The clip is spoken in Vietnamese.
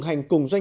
hẹn gặp lại